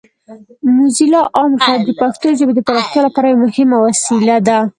موزیلا عام غږ د پښتو ژبې د پراختیا لپاره یوه مهمه وسیله ده.